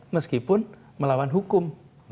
meskipun melawan hukum